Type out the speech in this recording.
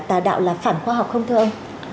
tà đạo là phản khoa học không thưa ông